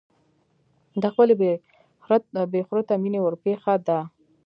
د خپلې بې خرته مینې ورپېښه ده.